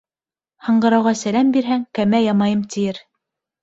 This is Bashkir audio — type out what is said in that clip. Һаңғырауға сәләм бирһәң, «кәмә ямайым» тиер.